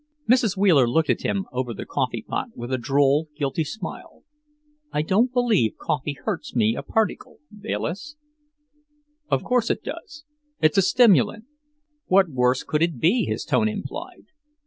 Mrs. Wheeler looked at him over the coffee pot with a droll, guilty smile. "I don't believe coffee hurts me a particle, Bayliss." "Of course it does; it's a stimulant." What worse could it be, his tone implied!